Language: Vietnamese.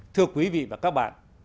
thưa quý vị và các bạn